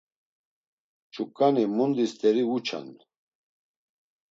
Ç̌uǩani mundi st̆eri uça’n.